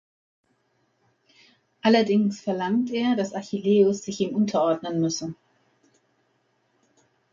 Allerdings verlangt er, dass Achilleus sich ihm unterordnen müsse.